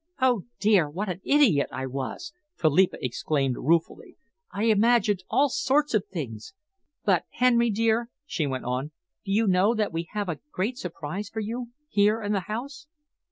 "Oh, dear, what an idiot I was!" Philippa exclaimed ruefully. "I imagined all sorts of things. But, Henry dear," she went on, "do you know that we have a great surprise for you here in the house?"